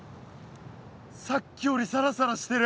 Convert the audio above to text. さっきよりサラサラしてる。